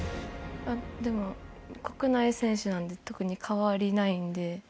あっでも国内選手なので特に変わりないので。